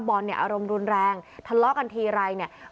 บอลเนี่ยอารมณ์รุนแรงทะเลาะกันทีไรเนี่ย